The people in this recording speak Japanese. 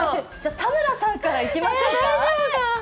田村さんからいきましょうか。